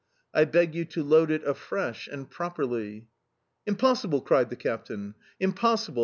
I beg you to load it afresh and properly!" "Impossible!" cried the captain, "impossible!